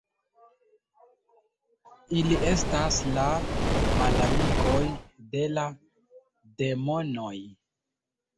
Ili estas la malamikoj de la demonoj.